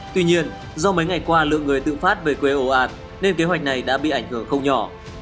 tuy nhiên do mấy ngày qua lượng người tự phát về quê ồ ạt nên kế hoạch này đã bị ảnh hưởng không nhỏ